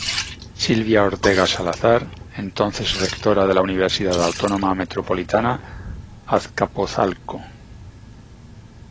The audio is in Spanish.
Sylvia Ortega Salazar, entonces Rectora de la Universidad Autónoma Metropolitana-Azcapozalco.